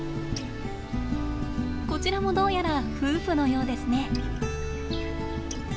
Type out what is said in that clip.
こちらもどうやら夫婦のようですね。